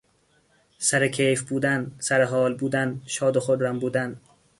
سر کیف بودن، سر حال بودن، شاد و خرم بودن